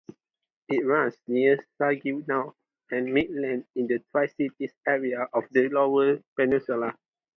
It runs near Saginaw and Midland in the Tri-Cities area of the Lower Peninsula.